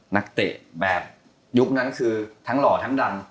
เตะแบบยุคนั้นคือทั้งหล่อทั้งดัน